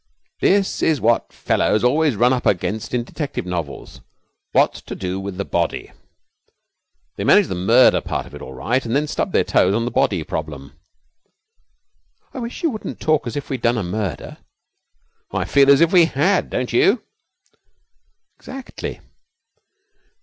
'This is what fellows always run up against in the detective novels What to Do With the Body. They manage the murder part of it all right, and then stub their toes on the body problem.' 'I wish you wouldn't talk as if we had done a murder.' 'I feel as if we had, don't you?' 'Exactly.'